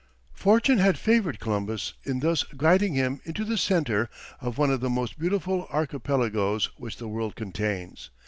Fortune had favoured Columbus in thus guiding him into the centre of one of the most beautiful archipelagos which the world contains.